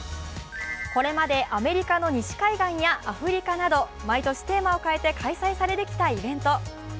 これまでアメリカの西海岸やアフリカなど毎年テーマを変えて開催されてきたイベント。